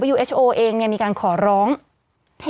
สิบเก้าชั่วโมงไปสิบเก้าชั่วโมงไป